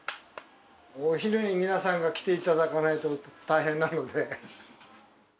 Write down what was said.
お昼に皆さんが来ていただかないと大変なので。